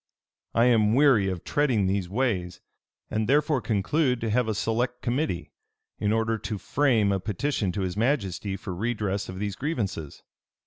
"I am weary of treading these ways; and therefore conclude to have a select committee, in order to frame a petition to his majesty for redress of these grievances.